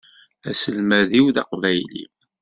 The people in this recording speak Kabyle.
Aselmad-iw d aqbayli.